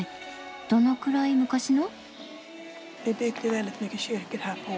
どのくらい昔の？